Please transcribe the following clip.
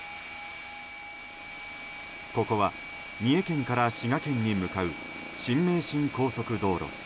ここは三重県から滋賀県に向かう新名神高速道路。